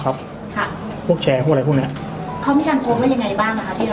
เขามีการโพล่ว่ายังไงบ้างนะคะ